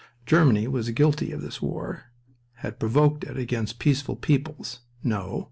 Germany was guilty of this war, had provoked it against peaceful peoples? No!